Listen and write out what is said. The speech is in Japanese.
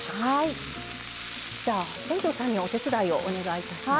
じゃあ本上さんにお手伝いをお願いいたします。